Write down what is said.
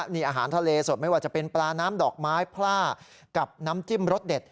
นี่อาหารทะเลสดไม่ว่าจะเป็นปลาน้ำดอกไม้พล่ากับน้ำจิ้มรสเด็ด